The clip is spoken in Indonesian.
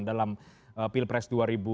dalam pilpres dua ribu dua puluh